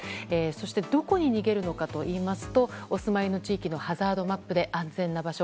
そしてどこに逃げるのかといいますとお住まいの地域のハザードマップで安全な場所。